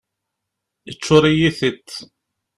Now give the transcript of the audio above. Iččuṛ-iyi tiṭ.